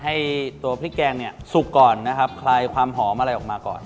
ให้ตัวพริกแกงเนี่ยสุกก่อนนะครับคลายความหอมอะไรออกมาก่อน